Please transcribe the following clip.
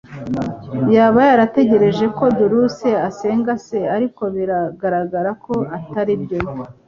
Yaba yaratekereje ko Dulce asenga se, ariko biragaragara ko atari byo.